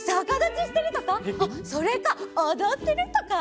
それかおどってるとか？